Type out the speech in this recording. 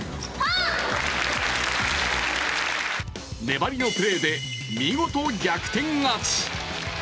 粘りのプレーで見事、逆転勝ち。